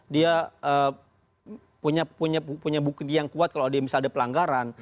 dia punya bukti yang kuat kalau dia misalnya ada pelanggaran